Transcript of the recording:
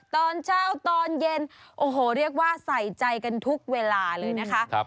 ตอนเช้าตอนเย็นโอ้โหเรียกว่าใส่ใจกันทุกเวลาเลยนะคะ